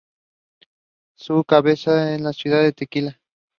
He became involved in political activities within the Law and Justice party.